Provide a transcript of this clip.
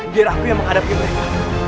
biar aku yang menghadapi mereka